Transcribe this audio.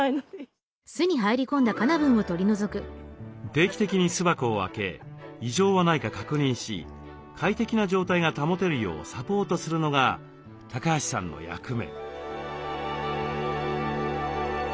定期的に巣箱を開け異常はないか確認し快適な状態が保てるようサポートするのが橋さんの役目。